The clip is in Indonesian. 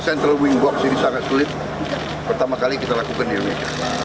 central wing box ini sangat sulit pertama kali kita lakukan di indonesia